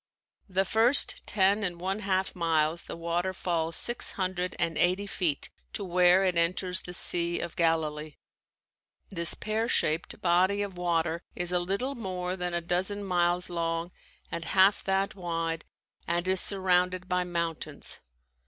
The first ten and one half miles the water falls six hundred and eighty feet to where it enters the Sea of Galilee. This pear shaped body of water is a little more than a dozen miles long and half that wide and is surrounded by mountains.